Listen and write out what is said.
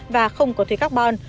và không có thuế carbon